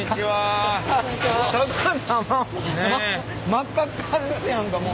真っ赤っかですやんかもう。